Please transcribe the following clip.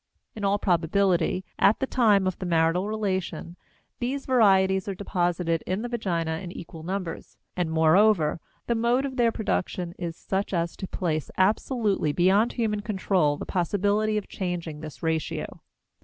In all probability, at the time of the marital relation, these varieties are deposited in the vagina in equal numbers; and, moreover, the mode of their production is such as to place absolutely beyond human control the possibility of changing this ratio.